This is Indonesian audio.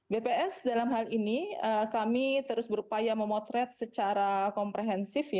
bps dalam hal ini kami terus berupaya memotret secara komprehensif